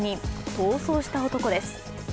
逃走した男です。